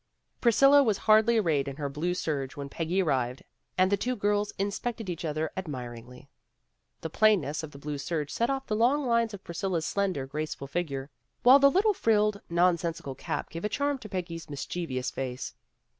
Priscilla was hardly arrayed in her blue serge when Peggy arrived, and the two girls inspected each other admiringly. The Plain ness of the blue serge set off the long lines of Priscilla 's slender, graceful figure, while the little frilled, nonsensical cap gave a charm to Peggy's mischievous face.